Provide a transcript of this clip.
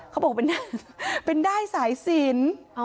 เขาบอกเป็นด้ายสายสิน